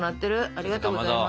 ありがとうございます。